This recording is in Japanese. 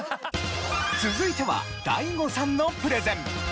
続いてはＤＡＩＧＯさんのプレゼン。